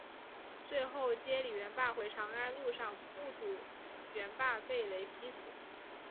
最后接李元霸回长安路上目睹元霸被雷劈死。